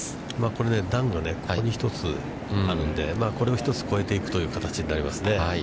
これね、段がここに１つあるんで、これを一つ越えていくという形になりますね。